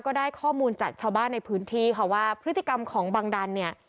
ก็ได้ข้อมูลจากชาวบ้านในพื้นที่ค่ะว่าพฤติกรรมของบังดันเนี่ย